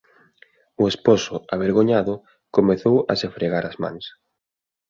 O esposo, avergoñado, comezou a se fregar as mans.